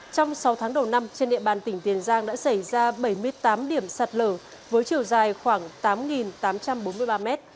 trong sáu tháng đầu năm trên địa bàn tỉnh tiền giang đã xảy ra bảy mươi tám điểm sạt lở với chiều dài khoảng tám tám trăm bốn mươi ba m